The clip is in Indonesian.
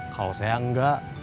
kalau saya enggak